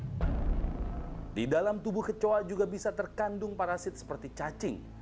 di dalam tubuh kecoa juga bisa terkandung parasit seperti cacing